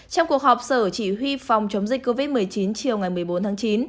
trong cuộc họp sở chỉ huy phòng chống dịch covid một mươi chín chiều ngày một mươi bốn tháng chín